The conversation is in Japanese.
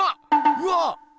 うわっ！